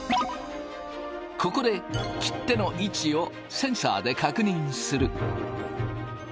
ここで切手の位置をセンサーで確認する。